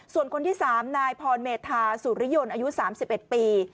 ส่วนคนที่๓นายพรเมธาสุริยนต์อายุ๓๑ปี